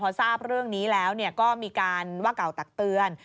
พอทราบเรื่องนี้แล้วก็มีการว่ากล่าวตักเตือน